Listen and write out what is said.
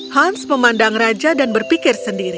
hans memandang raja dan berpikir sendiri